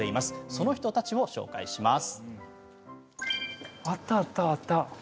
その人たちを紹介します。